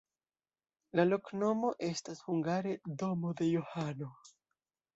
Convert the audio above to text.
La loknomo estas hungare: domo de Johano.